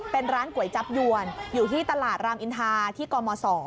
เป็นร้านก๋วยจับยวนอยู่ที่ตลาดรามอินทาที่กม๒